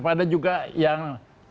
ada juga yang